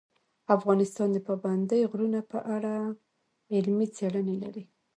افغانستان د پابندی غرونه په اړه علمي څېړنې لري.